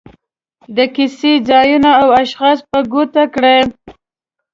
د کیسې ځایونه او اشخاص په ګوته کړي.